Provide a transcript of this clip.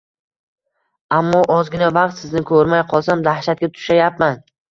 Ammo ozgina vaqt sizni ko‘rmay qolsam dahshatga tushayapman